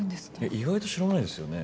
意外と知らないですよね